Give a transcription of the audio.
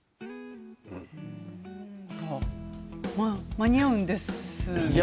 間に合うんですよね？